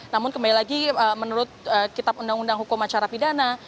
namun kembali lagi menurut kitab undang undang hukum acara pidana